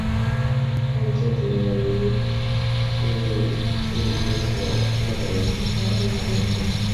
但近几年由于日立制作所的人事调整导致人口减少。